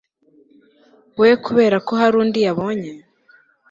we kubera ko hari undi yabonye